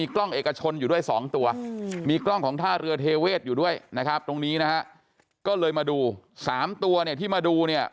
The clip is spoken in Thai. ตรงนี้นะฮะก็เลยมาดู๓ตัวเนี่ยที่มาดูเนี่ย